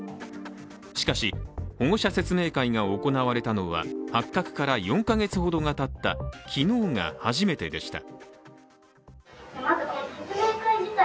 しかし保護者説明会が行われたのは発覚から４か月ほどがたった昨日が初めてでした。